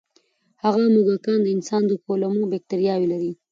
هغه موږکان د انسان د کولمو بکتریاوې لري.